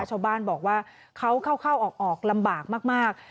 ชาวบ้านบอกว่าเขาเข้าออกลำบากมาก